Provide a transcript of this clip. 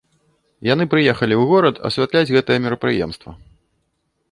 Яны прыехалі ў горад асвятляць гэтае мерапрыемства.